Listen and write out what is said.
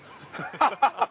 ハハハハ！